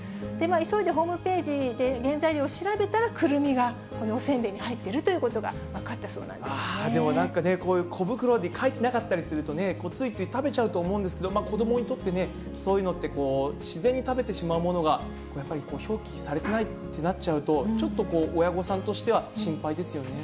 急いでホームページで原材料調べたら、くるみがこのおせんべいに入ってるということが分かったそうなんでもなんかね、こういう小袋に書いてなかったりするとね、ついつい食べちゃうと思うんですけど、子どもにとってね、そういうのって、自然に食べてしまうものがやっぱり表記されてないとなっちゃうと、ちょっと親御さんとしては心配ですよね。